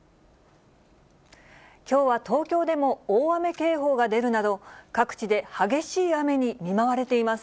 きょうは東京でも大雨警報が出るなど、各地で激しい雨に見舞われています。